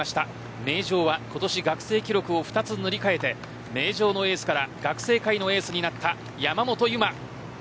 名城は今年学生記録を２つ塗り替えて名城のエースから学生界のエースになった山本有真。